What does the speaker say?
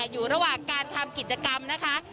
อยู่ระหว่างการทำกิจกรรมนะคะ